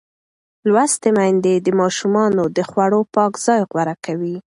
لوستې میندې د ماشومانو د خوړو پاک ځای غوره کوي.